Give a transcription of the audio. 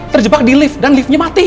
terjebak di lift dan liftnya mati